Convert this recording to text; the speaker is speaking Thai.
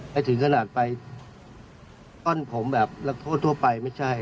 ถึงขนาดไปอ้อนผมแบบนักโทษทั่วไปไม่ใช่